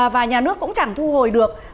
và nhà nước cũng chẳng thu hồi được